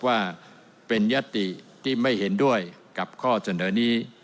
ว่าเป็นยติที่ไม่เห็นด้วยกับข้อเสนอนี้